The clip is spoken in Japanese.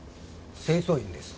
清掃員です。